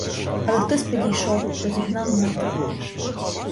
Але хтось підійшов, розігнав натовп.